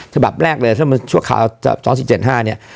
ฉบับแรกเลยถ้ามันชั่วคราว๒๗๕เนี่ย